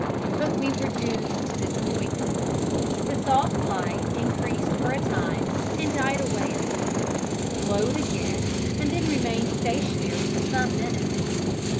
But we were doomed to disappointment: the soft light increased for a time, and died away a little; glowed again, and then remained stationary for some minutes!